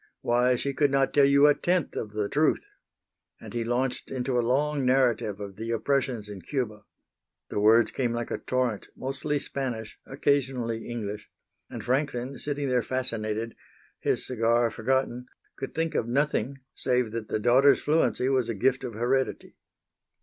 "Why, she could not tell you a tenth of the truth." And he launched into a long narrative of the oppressions in Cuba. The words came like a torrent, mostly Spanish, occasionally English; and Franklin, sitting there fascinated, his cigar forgotten, could think of nothing save that the daughter's fluency was a gift of heredity.